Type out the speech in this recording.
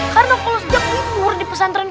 karena kalau sejak umur di pasangan ini